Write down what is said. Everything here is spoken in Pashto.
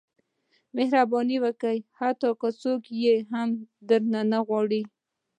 • مهرباني وکړه، حتی که څوک یې درنه نه غواړي.